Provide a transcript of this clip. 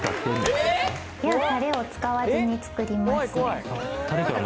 タレを使わずに作ります。